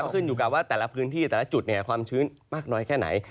ขึ้นอยู่กับว่าแต่ละพื้นที่แต่ละจุดความชื้นมากน้อยแค่ไหน